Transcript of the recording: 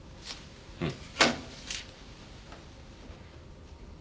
うん。